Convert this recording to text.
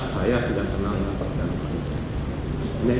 saya tidak kenal dengan pak setia rufanto